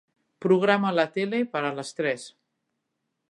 Programa la tele per a les tres.